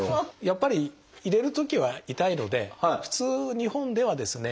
やっぱり入れるときは痛いので普通日本ではですね